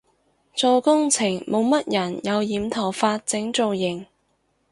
做工程冇乜人有染頭髮整造型